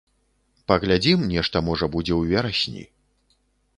Паглядзім, нешта, можа, будзе ў верасні.